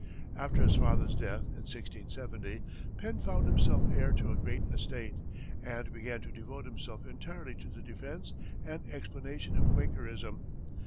After his father's death, in 1670, Penn found himself heir to a great estate, and began to devote himself entirely to the defense and explanation of Quakerism.